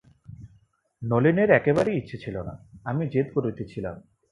নলিনের একেবারেই ইচ্ছা ছিল না, আমিই জেদ করিতেছিলাম।